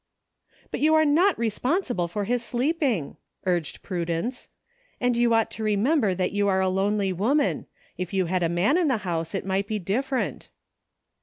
"But you are not responsible for his sleeping," urged Prudence; "and you ought to remember that you are a lonely woman. If you had a man in the house it might be different."